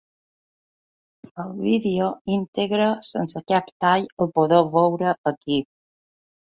El vídeo íntegre, sense cap tall el podeu veure ací.